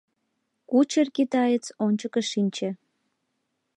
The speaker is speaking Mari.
Кучер-китаец ончыко шинче.